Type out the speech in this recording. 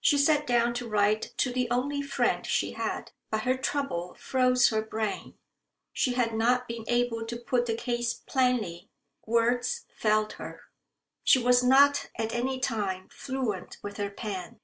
She sat down to write to the only friend she had. But her trouble froze her brain. She had not been able to put the case plainly. Words failed her. She was not at any time fluent with her pen.